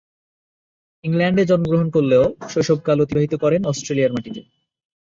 ইংল্যান্ডে জন্মগ্রহণ করলেও শৈশবকাল অতিবাহিত করেন অস্ট্রেলিয়ার মাটিতে।